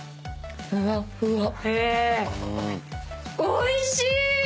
おいしい！